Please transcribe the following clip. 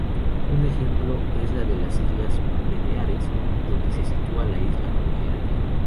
Un ejemplo es el de las Islas Baleares, donde se sitúa la isla Conejera.